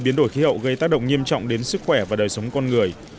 biến đổi khí hậu gây tác động nghiêm trọng đến sức khỏe và đời sống con người